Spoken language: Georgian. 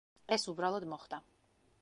ეს უბრალოდ მოხდა.